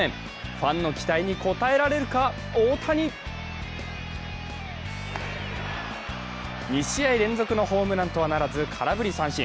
ファンの期待に応えられるか、大谷２試合連続のホームランとはならず空振り三振。